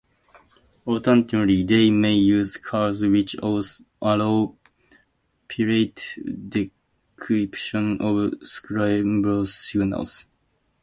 Alternatively, they may use cards which allow pirate decryption of scrambled signals.